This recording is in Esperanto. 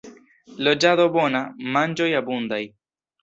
Loĝado bona, manĝoj abundaj.